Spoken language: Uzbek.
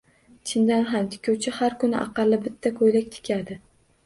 Chindan ham tikuvchi har kuni aqalli bitta ko’ylak tikadi.